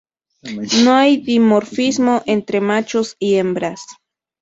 No hay dimorfismo entre machos y hembras.